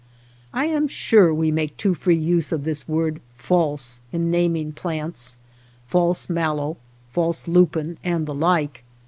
I am sure we make too free use of this word false in naming plants — false mallow, false lupine, and the like.